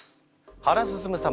原晋様